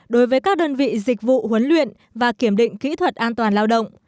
đối với các đơn vị dịch vụ huấn luyện và kiểm định kỹ thuật an toàn lao động